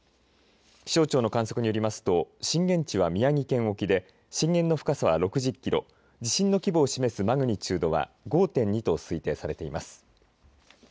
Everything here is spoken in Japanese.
気象庁の観測によりますと、震源地は宮城県沖で震源の深さは６０キロ地震の規模を示すマグニチュードは５．２と推定されています。